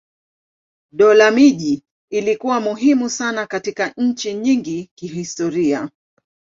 Dola miji ilikuwa muhimu sana katika nchi nyingi kihistoria.